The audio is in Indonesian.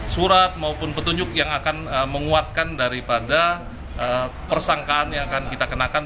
surat maupun petunjuk yang akan menguatkan daripada persangkaan yang akan kita kenakan